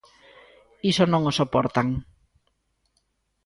Iso non o soportan.